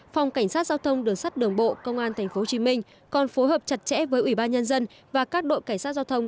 phòng cảnh sát giao thông đường sắt đường bộ công an tp hcm còn phối hợp chặt chẽ với ủy ban nhân dân và các đội cảnh sát giao thông